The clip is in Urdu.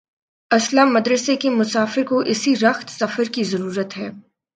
اصلاح مدرسہ کے مسافر کو اسی رخت سفر کی ضرورت ہے۔